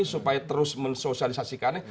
supaya terus mensosialisasikannya